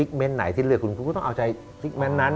ของคนที่เลือก